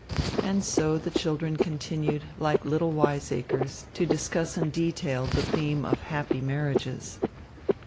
And so the children continued, like little wiseacres, to discuss in detail the theme of "happy marriages."